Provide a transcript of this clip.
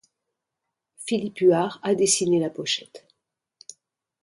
Philippe Huart a dessiné la pochette.